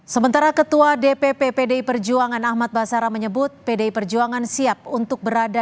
sementara ketua dpp pdi perjuangan ahmad basara menyebut pdi perjuangan siap untuk berada